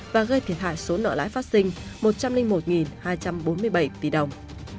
và gây thiệt hại số nợ lãi phát sinh một trăm linh một hai trăm bốn mươi bảy tỷ đồng